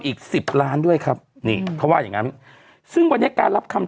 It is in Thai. อีกสิบล้านด้วยครับนี่เขาว่าอย่างงั้นซึ่งวันนี้การรับคำ